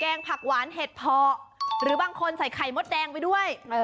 ผักหวานเห็ดเพาะหรือบางคนใส่ไข่มดแดงไปด้วย